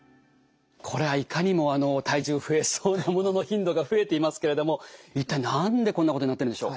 これはいかにも体重増えそうなものの頻度が増えていますけれども一体何でこんなことになってるんでしょう。